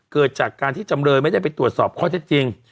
เกิดจากการที่จำเลยไม่ได้ไปตรวจสอบข้อเท็จจริง